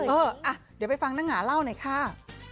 เอออ่ะเดี๋ยวไปฟังนางงาเล่าหน่อยค่ะ